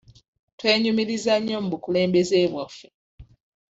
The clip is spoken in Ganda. Twenyumiriza nnyo mu bakulembeze baffe.